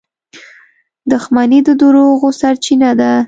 • دښمني د دروغو سرچینه ده.